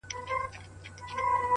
خلک يو بل ملامتوي ډېر سخت،